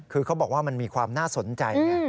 คือเขาบอกว่ามันมีความน่าสนใจไง